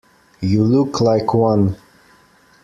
You look like one.